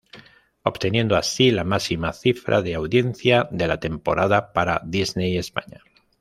Obteniendo así la máxima cifra de audiencia de la temporada para Disney España.